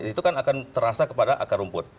itu kan akan terasa kepada akar rumput